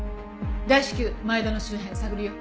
大至急前田の周辺探るよ。